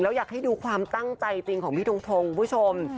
อยากให้ดูความตั้งใจจริงของพี่ทงทงคุณผู้ชม